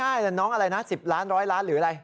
ง่ายน้องอะไรนะสิบล้านร้อยล้านหรืออะไร